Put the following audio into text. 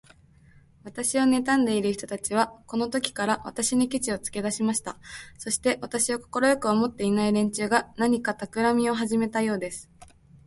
私をねたんでいる人たちは、このときから、私にケチをつけだしました。そして、私を快く思っていない連中が、何かたくらみをはじめたようです。